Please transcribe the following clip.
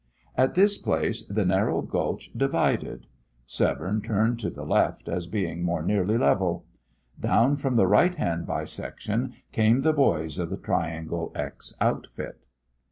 At this place the narrow gulch divided. Severne turned to the left, as being more nearly level. Down from the right hand bisection came the boys of the Triangle X outfit.